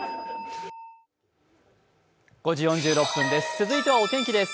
続いてはお天気です。